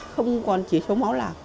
không còn chỉ số máu nào